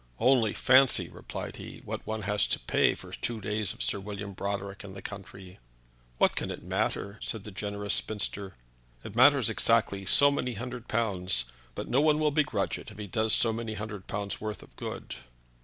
"Only fancy," replied he, "what one has to pay for two days of Sir William Brodrick in the country!" "What can it matter?" said the generous spinster. "It matters exactly so many hundred pounds; but no one will begrudge it if he does so many hundred pounds' worth of good."